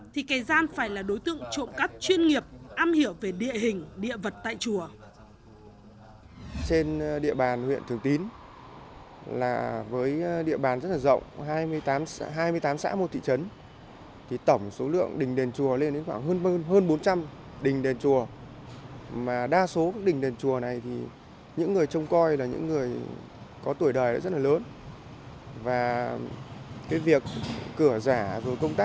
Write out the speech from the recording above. thì kẻ gian phải là đối tượng trộm cắp chuyên nghiệp am hiểu về địa hình địa vật tại chùa